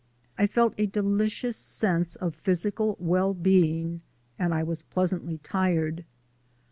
I felt a delicious sense of physical well being, and I was pleasantly tired.